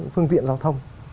phương tiện giao thông